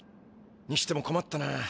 にしてもこまったな。